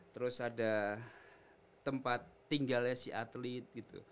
terus ada tempat tinggalnya si atlet gitu